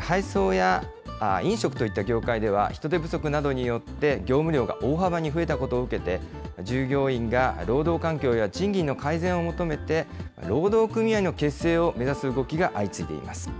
配送や飲食といった業界では、人手不足などによって、業務量が大幅に増えたことを受けて、従業員が労働環境や賃金の改善を求めて、労働組合の結成を目指す動きが相次いでいます。